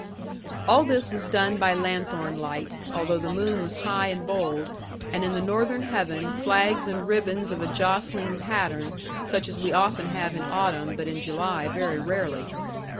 All this was done by lanthorn light, although the moon was high and bold; and in the northern heaven, flags and ribbons of a jostling pattern; such as we often have in autumn, but in July very rarely.